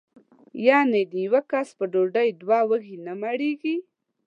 یعنې د یوه کس په ډوډۍ دوه وږي نه مړېږي.